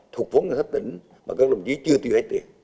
thuộc vốn của các tỉnh mà các đồng chí chưa tiêu hết tiền